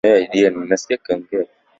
Alihudumu kwa nafasi ya Afisa Miradi